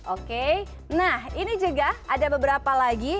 oke nah ini juga ada beberapa lagi